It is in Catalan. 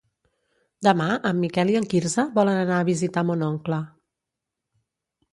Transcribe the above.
Demà en Miquel i en Quirze volen anar a visitar mon oncle.